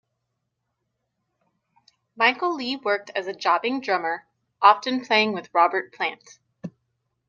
Michael Lee worked as a jobbing drummer, often playing with Robert Plant.